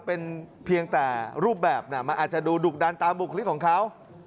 เป็นเพียงแต่รูปแบบมันอาจจะดูดุดันตามบุคลิกของเขา